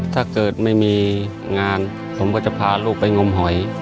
ถ้าเกิดไม่มีงานผมก็จะพาลูกไปงมหอย